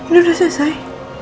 itu sudah selesai